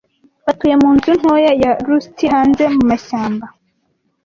Batuye munzu ntoya, ya rusti hanze mumashyamba.